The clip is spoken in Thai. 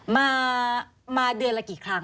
มาเดือนละกี่ครั้ง